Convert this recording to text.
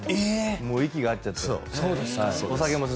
もう息が合っちゃって。